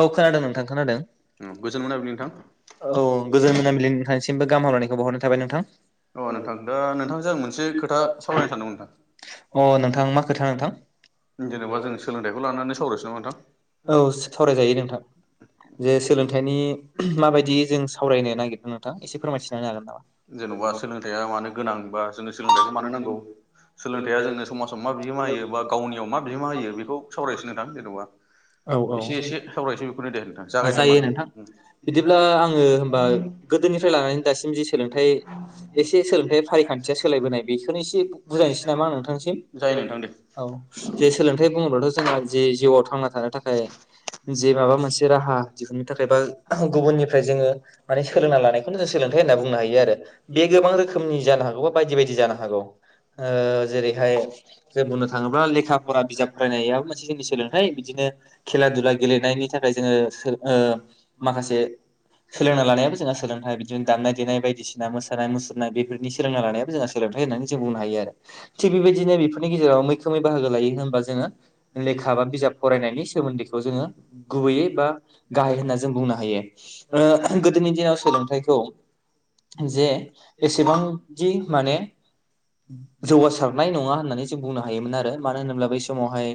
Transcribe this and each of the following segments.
औ खोनादों नोंथां खोनादों। औ गोजोन मोनाबिलिनिोंथांनिसिमबो गाहाम हामलायनायखौ बहरनो थाबाय नोंथां। अ नोंथां दा नोंथांजों आं मोनसे खोथा सावरायनो सानदोंमोन नोंथां। अ नोंथां मा खोथा नोंथां? औ सावरायजायो नोंथां। जे सोलोंथाइनि माबायदि जों सावरायनो नागिरदों नोंथां एसे फोरमायथिनो हागोन नामा? जेन'बा सोलोंथायाइया मानो गोनांबा जोंनो सोलोंथाइखौ मानो नांगौ सोलों थाया जोंनो समाजाव मा बिहोमा होयो बा गावनियाव मा बिहोमा होयो बेखौ सावरायसो नोंथां जेनेबा औ औ जायो नोंथां बिदिब्ला आङो होमबा गोदोनिफ्राय लानानै दासिम जि सोलोंथाइ एसे सोलोंथाइ फारिखान्थिया सोलायबोनाय बेखौनो एसे बुजा नामा नोंथांसिम औ जे सोलोंथाइ बुङोब्लाथ' जोंहा जि जिउआव थांना थानो थाखाय जे माबा मोनसे राहा दिहुनन्नो थाखाय बा गुबुननिफ्राय जोङो माने सोलोंना लानायखौनो जों सोलों लोंथाइ होननानानै बुंनो हायो आरो बे गोबां रोखोमनि जानो हागौ बा बायदि बायदि जानो हागौ। ओ जेरैहाय जों बुंनो थाङोब्ला लेखा फरा बिजाब फरायनाया मोनसे जोंनि सोलोंथाइ बिदिनो खेला दुला गेलेनायनि थाखाय जोङो सो ओ माखासे सोलोंना लानायाबो जोंहा सोलोंथाइ बिदिनो दामनाय देनाय बायदिसिना मोसानाय मुसुरनाय बेफोरनि सोलोंना लानायाबो जोंहा सोलों थाय होननानै जों बुंनो हायो आरो थिग बे बायदिनो बेफोरनि गेजेराव मैखोमै बाहागो लायो होनबा जोङो लेखा बा बिजाब फरायनायनि सोमोन्दैखौ जोङो गुबैयै बा गाहाय होनना जों बुंनो हायो ओ गोदोनि दिनाव सोलोंथाइखौ जे एसेबांदि माने जौगासारनाय नङा होननानै जों बुंनो हायोमोन आरो मानो होनोब्ला बै समावहाय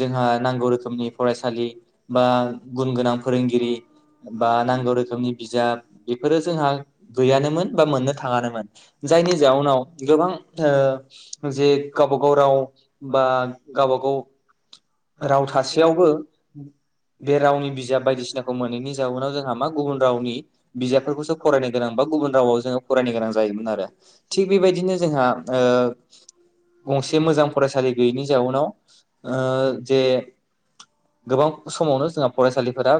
जोंहा नांगौ रोखोमनि फरायसालि बा गुन गोनां फोरों गिरि बा नांगौ रोखोमनि बिजाब बेफोरो जोंहा गैयानोमोन बा मोननो थाङानोमोन। जायनि जाउनाव गोबां ओ जे गावबा गाव राव बा गावबा गाव राव थासेयावबो बे रावनि बिजाब बायदिसिनाखौ मोनैनि जाउनाव जोंहा मा गुबुन रावनि बिजाबफोरखौसो फरायनो गोनां बा गुबुन रावाव जोङो फरायनो गोनां जायोमोन आरो थिग बेबायदिनो जोंहा ओ गंसे मोजां फरायसालि गैयिनि जाउनाव ओ जे गोबां समावनो जोंहा फरायसालिफोरा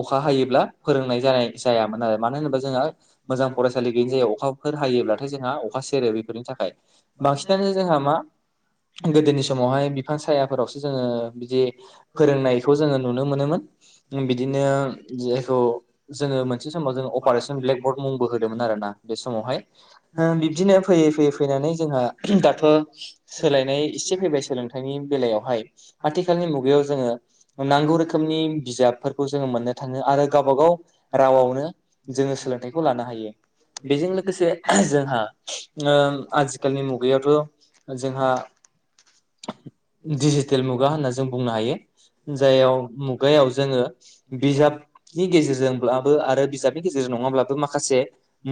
अखा हायोब्ला फोरोंनाय जानाय जायामोन आरो मा नो होनोबा जोंहा मोजां फरायसालि गैयिनि जायाव अखाफोर हायोब्लाथाय जोंहा अखा सेरो बेफोरनि थाखाय बांसिनानो जोंहा मा गोदोनि समावहाय बिफां सायाफोरावसो जोङो बिदि फोरोंनायखौ जोङो नुनो मोनोमोन। बिदिनो जायखौ जोङो मोनसे समाव जों अपारेशन ब्लेकबर्ड मुंबो होदोंमोन आरो ना बे समावहाय ओ बिब्दिनो फैयै फैयै फैनानै जोंहा दाथ' सोलायनाय एसे फैबाय सोलोंथाइनि बेलायावहाय आथिखालनि मुगायाव जोङो नांगौ रोखोमनि बिजाब फोरखौ जोहो मोननो थाङो आरो गावबा गाव रावावनो जोङो सोलोंथाइखौ लानो हायो। बेजों लोगोसे जोंहा ओ आथिखालनि मु गायावथ' जोंहा [inaudible] दिजिटेल मुगा होनना जों बुंनो हायो जायाव मुगायाव जोङो बिजाब नि गेजेरजोंब्लाबो आरो बिजाबनि गेजेरजों नङाब्लाबो माखासे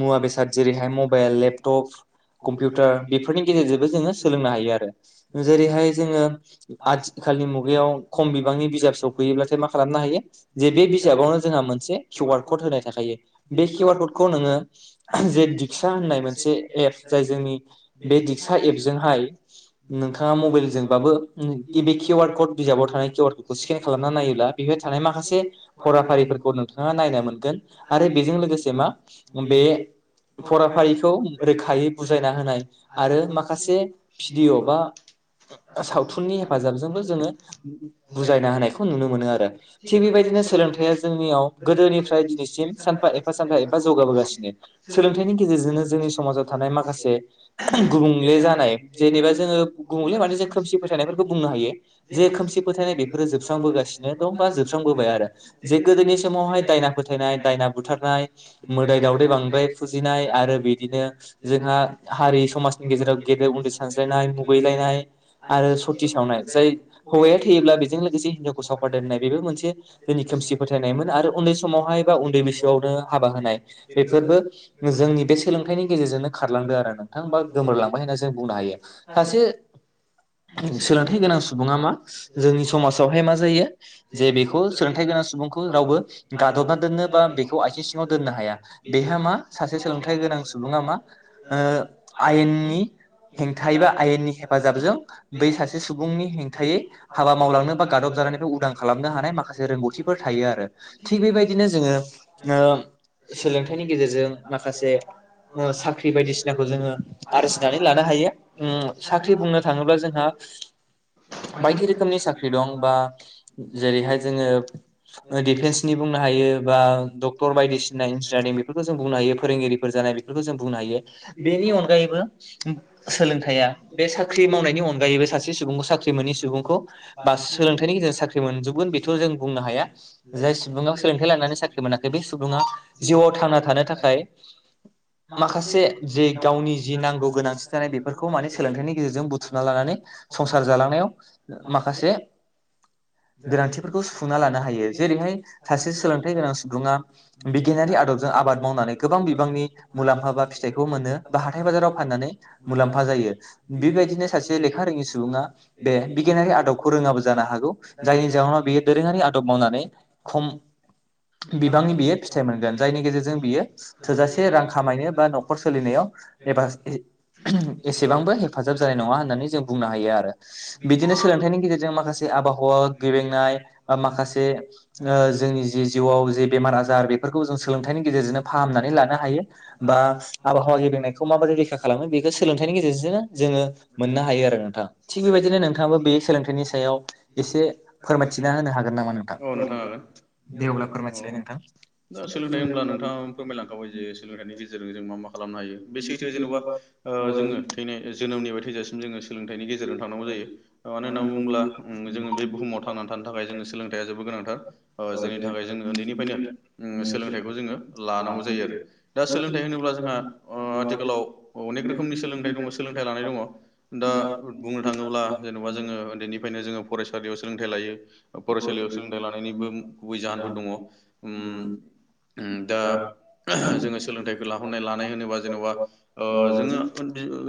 मुवा बेसाद जेरैहाय मबाइल लेपट'प कम्पिउटार बेफोरनि गेजेरजोंबो जोङो सोलोंनो हायो आरो जेरैहाय जोङो आथिखालनि मुगायाव खम बिबांनि बिजाब सफैयोब्लाथाय मा खालामनो हायो। जे बे बिजाबावनो जोंहा मोनसे किउ आर कड होनाय थाखायो बे किउ आर कडखौ नोङो जे दिक्सा होननाय मोनसे एप जाय जोंनि बे दिक्सा एपजोंहाय नोंथाङा मबाइलजोंबाबो बेे किउ आर कड बिजाबाव थानाय किउ आर कड खौ स्केन खालामनानै नायोबा बेहाय था थानाय माखासे फराफारिफोरखौ नोंथाङा नायनो मोनगोन आरो बेजों लोगोसे मा बे फराफारिखौ रोखायै बुजायना होनाय आरो माखासे भिडिअ बा बा सावथुननि हेफाजाबजोंबो जोङो बुजायना होनायखौ नुनो मोनो आरो थिग बेबायदिनो सोलोंथाया जोंनियाव गोदोनिफ्राय दिनैसिम सानफा एफा सानफा एफा जौगाबोगासिनो सोलोंथाइनि गेजेरजोंनो जोंनि समाजाव थानाय माखासे गुबुंले जानाय जेनेबा जोङो गुबुंले माने जों खोमसि फोथायनायफोरखौ बुंनो हायो जे खोमसि फोथायनाय बेफोरो जोबस्रांबोगासिनो दं बा जोबस्रां स्रां बोबाय आरो जे गोदोनि समावहाय दायना फोथायनाय दायना बुथारनाय मोदै दाउदै बांद्राय फुजिनाय आरो बिदिनो जोंहा हारि समाजनि गेजेराव गेदेर उन्दै सानस्लायनाय मुगै लायनाय आरो सति सावनाय जाय हौवाया थैयोब्ला बेजों लोगोसे हिनजावखौ सावगार दोननाय बेबो मोनसे जोंनि खोमसि फोथायनायमोन आरो उन्दै समावहाय बा उन्दै बैसोआवनो हाबा होनाय बेफोरबो जोंनि। बे सोलोंथाइनि गेजेरजोंनो खारलांदो आरो नोंथांबा गोमोरलांबाय होनना जों बुंनो हायो। सासे सोलोंथाइ गोनां सुबुङा मा जोंनि समाजावहाय मा जायो जे बेखौ सोलोंथाइ सुबुंखौ रावबो गादबना दोननो बा बेखौ आथिं सिङाव दोननो हाया बेहा मा सासे सोलोंथाइ। गोनां सुबुङामा आयेननि हेंथायै बा आयेननि हेफाजाबजों बै सासे सुबुंनि हेंथायै हाबा मावलांनो बा गादब जानायनिफ्राय उदां। खालामनो हानाय माखासे रोंगौथिफोर थायो आरो थिग बेबायदिनो जोङो। सोलोंथाइनि गेजेरजों माखासे साख्रि बायदिसिनाखौ जोङो। आरजिनानै लानो हायो उम साख्रि बुंनो थाङोब्ला जोंहा बायदि रोखोमनि साख्रि दं बा जेरैहाय जोङो। डिफेन्सनि बुंनो हायो बा डक्टर बायदिसिना इन्जिनियारिं बेफोरखौ जों बुंनो हायो फोरोंगिरिफोरजों। जों बुंनो हायो बेनि अनगायैबो सोलोंथाइया बे साख्रि मावनायनि अनगायैबो सासे सुबुंखौ साख्रि मोनै सुबुंखौ बा सोलोंथाइनि गेजेरजों। साख्रि मोनजगोन बेखौ जों बुंनो हाया जाय सुबुङा सोलोंथाइ लानानै साख्रि मोनाखै बे सुबुङा जिउआव थांना थानो थाखाय माखासे जे गावनि जि नांगौ गोनां। थि जानाय बेफोरखौ माने सोलोंथाइनि गेजेरजों बुथुमना लानानै संसार जालांनायाव माखासे [inaudible] गोनांथिफोरखौ सुफुंना लानो हायो जेरैहाय सासे सोलोंथाइ गोनां सुबुङा बिगियानारि आदबजों। आबाद मावनानै गोबां बिबांनि मुलाम्फा बा फिथाइखौ मोनो बा हाथाय बाजाराव फाननानै। मुलाम्फा जायो बेबायदिनो सासे लेखा रोङि सुबुङा बे बिगियानारि आदबखौ रोङाबो जानो हागौ। हौ जायनि जाहोनाव बेयो दोरोङारि आदब मावनानै खम बिबांनि बियो फिथाइ मोनगोन जायनि गेजेरजों बियो थोजासे रां खामायनो बा न'खर सोलिनायाव एबा एसेबांबो हेफाजाब जानाय नङा होननानै जों बुंनो हायो आरो बिदिनो सोलोंथाइनि गेजेरजों माखासे आबहावा गेब्रेंनाय माखासे जोंनि जि जिउआव जे बेमार आजार बेफोरखौ सोलोंथाइनि गेजेरजों फाहामनानै लानो हायो बा आबहावा गेब्रेंनायखौ माबोरै रैखा खालामो। बेखौ सोलोंथाइनि गेजेरजोंनो जोङो मोननो हायो आरो नोंथां थिग बेबायदिनो नोंथाङाबो बे सोलोंथाइनि सायाव। एसे फोरमायथिना होनो हागोन नामा नोंथां दे अब्ला फोरमायथिबाय नोंथां। दा सोलोंथाइ होनब्ला नोंथाङा फोरमायलांखाबाय जे सोलोंथाइनि गेजेरजों जों मा मा खालामनो हायो बेसे जेनेबा जोङो थैनाय जोनोमनिफ्राय थैजासिम जोङो सोलोंथाइनि गेजेरजों थांनांगौ जायो मानो होन्ना बुङोब्ला जों बे बुहुमाव थांनानै थानो थाखाय जोङो सोलोंथाइया जोबोद गोनांथार जायनि थाखाय जोङो उन्दैनिफ्रायनो सोलोंथाइखौ जोङो लानांगौ जायो आरो दा सोलोंथाइ होनोब्ला जोंहा आथिखालाव अनेक रोखोम सोलोंथाइ दं सोलोंथाइ लानाय दङ दा बुंनो थाङोब्ला जेनेबा जोङो उनदैनिफ्रायनो जों। फरायसालियाव सोलोंथाइ लायो फरायसालियाव सोलोंथाइ लानायनिबो गुबै जाहोनफोर दङ। दा जोङो सोलोंथाइखौ लाहरनाय लानाय होनोबा जेन'बा ओ जोङो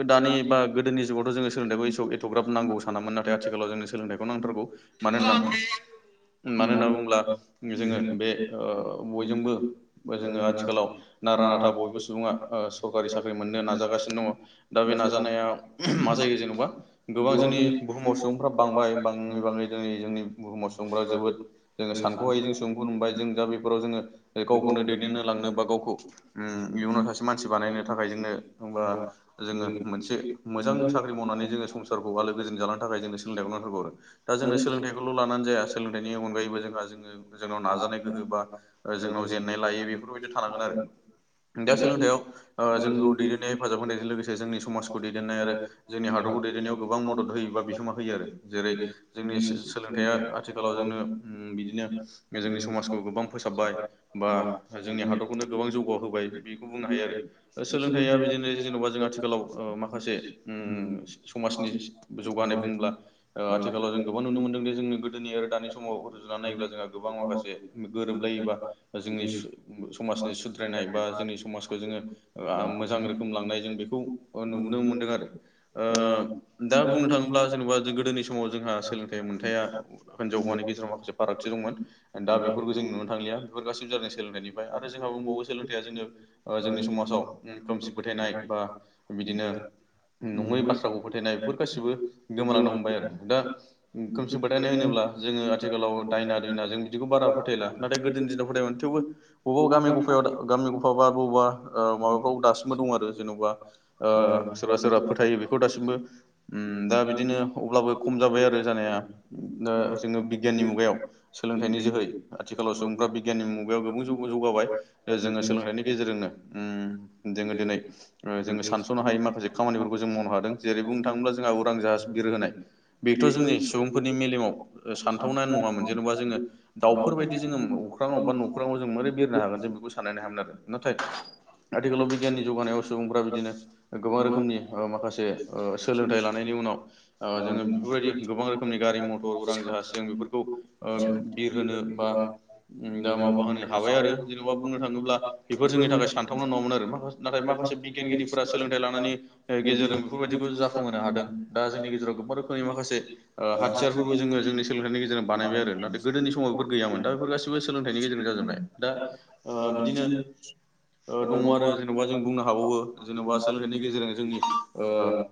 दानि बागोदोनि जुगावथ' जोङो सोलोंथाइखौ एसे एथग्रााब नांगौ सानामोन नाथाय आथिखालाव जोंनो सोलोंथाइखौ नांथारगौ। मानो होनना मानो होनना बुङोब्ला जोङो बे ओ बयजोंबो जोङो आथिखालाव। नारा नाथा बयबो सुबुङा सरकारि साख्रि मोननो नाजागासिनो दङ। दा बे नाजानाया मा जायो जेनेबा गोबां जोंनि बुहुमाव सुबुंफ्रा बांबाय बां बिबाङै जोंनि जोंनि बुहुमाव सुबुंफोरा जोबोद जोङो सानख'हायै जों सुबुंखौ नुबाय जों दा बेफोराव जोङो गावखौनो दैदेननो लांनो बा गावखौ इयुनाव सासे मानसि बानायनो थाखाय जोंनो बा जोङो मोनसे मोजां साख्रि मावनानै जोङो संसारखौ आलो गोजोन जालांनो थाखाय जोंनो सोलोंथाइखौ नांथारगोै आरो दा। जों सोलोंथखौल' लानानै जाया सोलोंथाइनि अनगायैबो जोंहा जोंनाव नाजानाय गोहो बा जोंनाव जेन नाय लायि बेफोरबायदि थानांगोन आरो दा सोलोंथायाव‌ जोंखौ दैदेननायाव हेफाजाब होनायजों लोगोसे जोंनि समाजखौ दैदेननाय आरो जोंनि हादरखौ दैदेननायाव गोबां मदद होयोबा बिहोमा होयो आरो जेरै जोंनि सोलोंथाइया आथिखालाव जोंनो बिदिनो जोंनि समाजखौ गोबां फोसाबबाय बा जोंनि हादरखौनो गोबां जौगा होबाय बेखौ बुंनो हायो आरो सोलोंथाइया बिदिनो जेनबा जोंहाथ' माखासे समाजनि जौगानाय बुङोब्ला आथिखालाव जों गोबां नुनो मोनो मोनो जोंनि गोदोनि आरो दानि समाव रुजुनानै नायोब्ला जोंहा गोबां माखासे गोरोबलायिबा जोंनि जोंनि समाजनि सुद्रायनाय बा जोंनि समाजखौ जों मोजां रोखोम लांनाय जों बेखौ नुनो मोनदों आरो दा बुंनो थाङोब्ला जेनेबा गोदोनि समाव जोंहा सोलोंथाइ मोनथाया हिनजाव माहारि गेजेराव माखासे फागथि दंमोन दा बेफोरखौ जों नुनो थांलिया बेफोर गासिबो जादों सोलोंनायनिफ्राय आरो जोंहा बुंबाव सोलों फोथाया जोङो जोंनि समाव खोमसि फोथायनाय बा बिदिनो नङै बाथ्राखौ फोथायनाय बेफोर गासिबो गोमालांनो हमबाय आरो दा खोमसि फोथायनाय होनोब्ला जोङो आथिखालाव दायना दुयना जों बिदिखौ बारा फोथायला नाथाय गोदनि दिनाव फोथायोमोव थेवबो अबावबा अबावबा गामि गफा गामि गफा बा बबावबा माबाफ्राव दासिमबो दं आरो जेनबा सोरबा सोरबा फोथायो बेखौ दासिमबो दा बिदिनो अब्लाबो खम जाबाय आरो जानाया दा जोङो बिगियाननि मुगायाव सोलोंथाइनि जोहै आथिखालाव सुबुंफ्रा बिगियाननि मुगायाव गोबां जौगाबाय जोङो सोलोंथाइनि गेजेरजोंनो जोङो दिनै सानस हायै माखासे खामानिफोरखौ जों मावनो हादों जेरै बुंनो थाङोब्ला जोंहा उरां जाहाज बिरहोनाय बेथ जोंनि सुबुंफोरनि मेलेमाव सानथावनायानो नङामोन जेनेबा जोङो दाउफोरबायदि जोङो अख्रांङाव बा नख्रांङाव जों मोरै बेरनो हागोन जों बेखौ साननोनो हामोन आरो नाथाय आथिखालाव बिगियान [unintelligible] गोबां रोखोमनि माखासे सोलोंथाइ लानायनि उनाव जोङो बेफोरबायदि गोबां रोखोमनि गारि मथर उरां जाह जों बेफोरखौ बिर होनोनो बा दा माबा होनो हाबाय आरो जेनेबा बुंनो थाङोब्ला बेफोर जोंनि थाखाय सानथावना नङामोन आरो माखासे नाथाय माखासे बिगियानगिरिफोरा सोलोंथाइ लानायनि गेजेरजों बेफोरबायदिखौ जाफुंहोनो हादों दा जोंनि गेजेराव गोबां रोखोमनि माखासे हाथियारबो जोङो जोंनि सोलोंथाइ गेजेरजों बानायबाय आरो नाथाय गोदोनि समावफोरावहाय गैयामोन दा बेफोर गासिबो सोलोंथाइनि गेरजों जाजोबनाय दा बिदिनो दङ आरो जेनेबा जों बुंनो हाबावो जेनेबा बेनि गेजेरजों जोंनि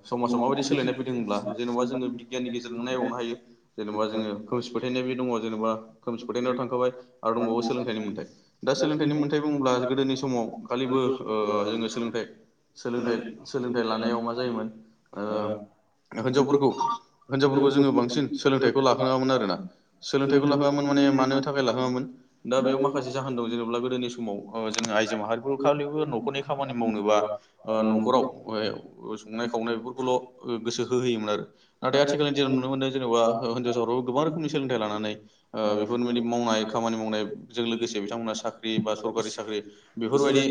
समाजाव माबायदि सोलायनाय फैदोंब्ला जेनबा जोङो बिगियाननि गेजेरजों नायबावनो हायो जेनेबा जोङो खोमसि फोथायनायबो दङ जेनेबा खोमसि फोथायनायाव थांखाबाय आरो दंबावो सोलोंथाइनि मोन्थाय दा सोलोंथाइनि मोन्थाय बुङोब्ला गोदोनि समाव खालिबो जोङो सोलोंथाइ सोलोंथाइ सोलोंथाइ लानायाव मा जायोमोन हिनजावफोरखौ हिनजावफोरखौ जोङो बांसिन सोलोंथाइखौ लाहोआमोन आर ना सोलोंथाइखौ लाहोआमोन माने मानो थाखाय लाहोआमोन दा बेयाव माखासे जाहोन दं जेनेब्ला गोदोनि समाव जों आइजो माहारिफोर खालि न'खरनि खामानि मावनोबा न'खराव संनाय खावनाय बेफोरखौल गोसो होहोयोमोन आरो नाथाय आथिखालनि दिनाव नुनो मोनो जेनेबा हिनजावसाफोराबो गोबां रोखोमनि सोलोंथाइ लानानै बेफोरबायदि मावनाय खामानि मावनाय जों लोगोसे बिथांमोना साख्रि बा सरकारि साख्रि बेफोरबायदि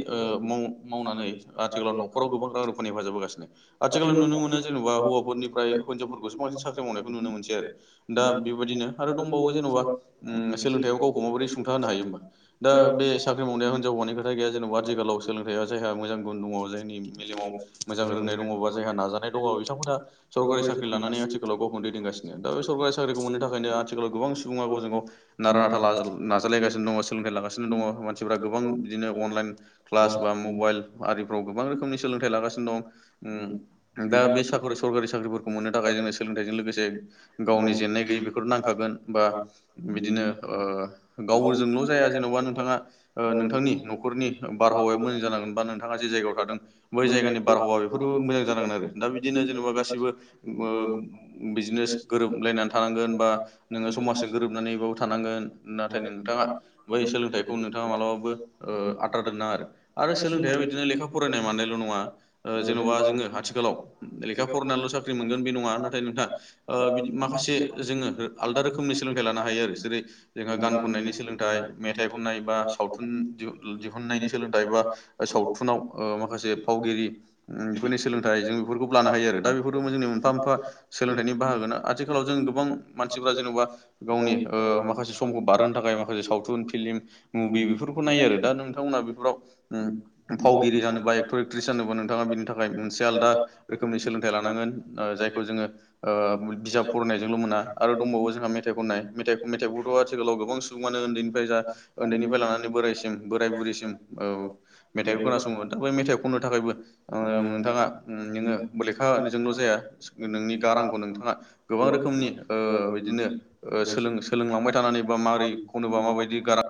मावनानै आथिखालाव न'खराव गोबां रां रुफानि हेफाजाब होगासिनो आथिखालाव नुनो मोन जेनेबा होवाफोरनिफ्राय हिजावफोरखौस बांसिन साख्रि मावनायखौ नुनो मोनसै आरो दा बेबायदिनो आरो दंबावो जेनबा सोलोंथाइयाव गावखौ माबोरै सुंथा नो हायो दा बे साख्रि मावनाय हिजावानि खोथा गैया जेनेबा आथिफखालाव सोलोंथाइ जायहा मोजां गुन दङ जोंनि मेलेमाव मोजां रोंनाय दङबा जायहा नाजानाय दङ बिथांमोना सरकारि साख्रि लानानै आथिखालाव गाव दैदगासिनो दा बे सरकारि साख्रिखौ मोननो थाखायनो आथिखालाव गोबां सुबुङा गावजों गाव नारा नाथा नाजालायगासिनो दङ सोलोंथाइ लागासिनो दङ मानसिफोरा गोबां बिदिनो अनइन क्लास बा मबाइल आरि फोराव गोबां रोखोमनि सोलोंथाइ लागासिनो दं दा बे स सरकारि साख्रिफोरखौ मोननो थाखाय जों सोलोंथाइजों लोगोसे गावनि जेननाय गैयै बेखौ नांखागोन बा बिदिनो गावजोंल जाया जेनबा नोंथाङा नोंथांनि न'खरनि बारहावायाबो मोजां जानांगोन बा नोंथाङा जायगायाव थादों बै जायगानि बारहावा बेफोरबो मोजां जानांगोन आरो दा बिदिनो जेनेबा गासिबो बिदिनो गोरोबलायनानै थानांगोन बा नोङो समाजजों गोरोबनानैबाबो थानांगोन नाथाय नोंथाङा बै सोलोंथखौ नोंथाङा मालाबाबो आद्रा दोनाङा आरो आरो सोलोंथाइया लेखा फरायनाय मानायल नङा जेनबा जोङो आथिखालाव लेखा फरायनानैल साख्रि मोनगोन बे नङा नाथाय नोंथां माखासे जोङो आलदा रोखोमनि सोलोंथाइ लानो हायो आरो जेरै जोंहा गान खननायनि सोलोंथाइ मेथाइ खननाय बा सावथुन दिहुननायनि सोलोंथाइ बा सव थुनाव माखासे फावगिरि बेफोरनि सोलोंथाइ जों बेफोरखौ लानो हायो आरो दा बेफोरफोरखौ जोंनि मोनफा मोनफा सोलोंथाइनि बाहागो आथिखालाव जों गोबां मानसिफ्रा जेनेबा गावनि माखासे समखौ बारहो थाखाय माखसे सावथुन फिल्म मुभि बेफोरखौबो नायो आरो दा नोंथां [unintelligible] फावगिरि जानोबा एक्टर एक्ट्रिस जानोबा नोंथांङा बिनि थाखाय मोनसे आलादा रोखोमनि सोलोंथाइ लानांगोन जाय ज बिजाब फरायनायजोंल' मोना आरो दंबावो जोंहा मेथाइ खननाय मेथाइखौथ' आथिखाल सुबुं उन्दैनिफ्राय लानानै बोरायसिम बोर औ मेथाइखौ खोनासंङो दा बे मेथाइखौ खननो थाखायबो नोंथांङा नोंङो लेखाजोंल जाया नोंनि गारांखौ नोंथांङा गोबां रोखोमनि बिदिनोलों सोलों सोलोंलांबाय थानानै मारै [unintelligible]